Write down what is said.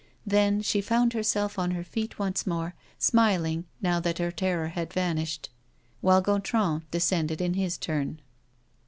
Then, she found herself on her feet once more, smiling, now that her terror had vanished, while Gontran descended in his turn.